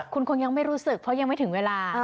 คุณคงยังไม่รู้สึกเพราะยังไม่ถึงเวลา